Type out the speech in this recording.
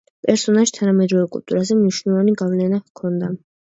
პერსონაჟს თანამედროვე კულტურაზე მნიშვნელოვანი გავლენა ჰქონდა.